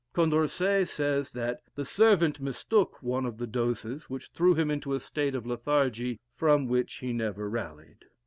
Condorcet says that the servant mistook one of the doses, which threw him into a state of lethargy, from which he never rallied.